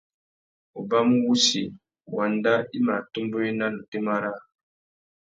Ubamú wussi, wanda i mà atumbéwena na otémá râā.